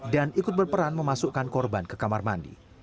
dan ikut berperan memasukkan korban ke kamar mandi